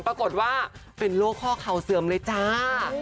ปรากฏว่าเป็นโรคข้อเข่าเสื่อมเลยจ้า